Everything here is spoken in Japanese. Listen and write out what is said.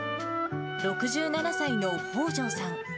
６７歳の北條さん。